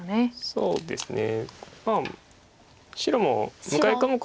そうですね。